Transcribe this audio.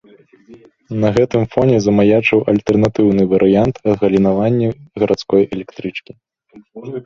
На гэтым фоне замаячыў альтэрнатыўны варыянт адгалінаванні гарадской электрычкі.